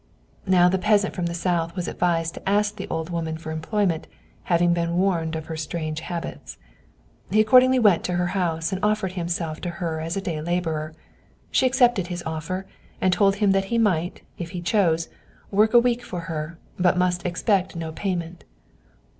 Now the peasant from the south was advised to ask this old woman for employment, having been warned of her strange habits. He accordingly went to her house, and offered himself to her as a day laborer. She accepted his offer, and told him that he might, if he chose, work a week for her, but must expect no payment.